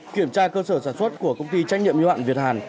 kiểm tra cơ sở sản xuất của công ty trách nhiệm y ạn việt hàn